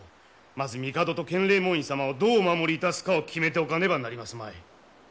まず帝と建礼門院様をどうお守りいたすかを決めておかねばなりますまい。